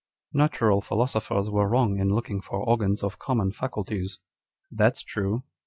" Natural philosophers were wrong in looking for organs of common faculties." â€" [That's true.